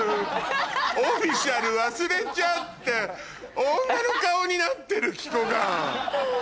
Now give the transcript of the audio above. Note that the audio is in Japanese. オフィシャル忘れちゃって女の顔になってる希子が。